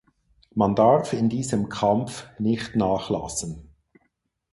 Man darf in diesem Kampf nicht nachlassen.